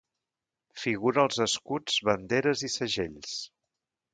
Figura als escuts, banderes i segells.